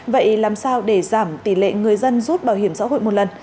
vậy làm sao để giảm tỷ lệ người dân rút bảo hiểm xã hội một lần